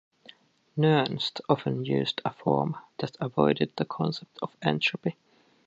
Nernst often used a form that avoided the concept of entropy.